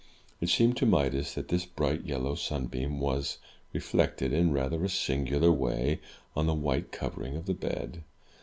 It seemed to Midas that this bright yellow sunbeam was reflected in rather a singular way on the white covering of the bed.